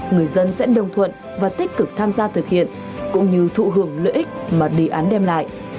người dân sẽ đồng thuận và tích cực tham gia thực hiện cũng như thụ hưởng lợi ích mà đề án đem lại